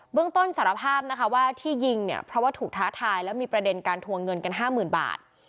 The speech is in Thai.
เรื่องต้นสารภาพนะคะว่าที่ยิงเนี่ยเพราะว่าถูกท้าทายและมีประเด็นการทวงเงินกัน๕๐๐๐บาท